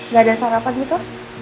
gak ada sarapan gitu